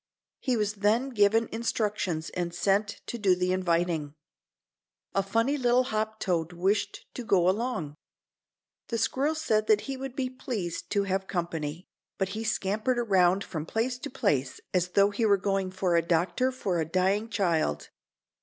He was then given instructions and sent to do the inviting. A funny little hop toad wished to go along. The squirrel said that he would be pleased to have company, but he scampered around from place to place as though he were going for a doctor for a dying child.